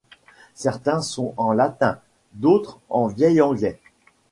Certains sont en latin, d'autres en vieil anglais.